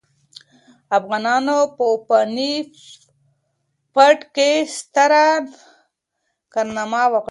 افغانانو په پاني پت کې ستره کارنامه وکړه.